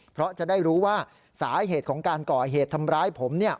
เพราะจะได้รู้ว่าสาเหตุของการก่อเหตุทำร้ายผม